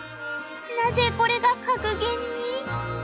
なぜこれが格言に？